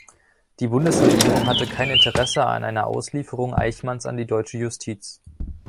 Die Bundesregierung hatte kein Interesse an einer Auslieferung Eichmanns an die deutsche Justiz.